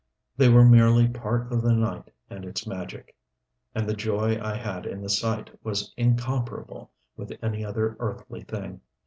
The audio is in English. They were merely part of the night and its magic, and the joy I had in the sight was incomparable with any other earthly thing.